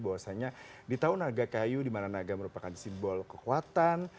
bahwasannya di tahun naga kayu di mana naga merupakan simbol kekuatan